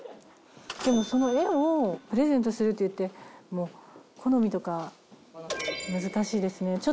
でもその絵をプレゼントするっていっても好みとか難しいですね。